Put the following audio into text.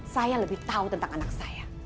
saya lebih tahu tentang anak saya